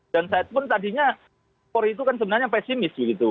dan saya pun tadinya por itu kan sebenarnya pesimis begitu